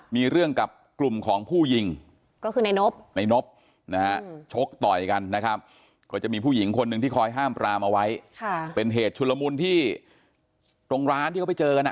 มีเรื่องกับกลุ่มของผู้ยิงก็คือในนบในนบนะฮะชกต่อยกันนะครับก็จะมีผู้หญิงคนหนึ่งที่คอยห้ามปรามเอาไว้เป็นเหตุชุลมุนที่ตรงร้านที่เขาไปเจอกัน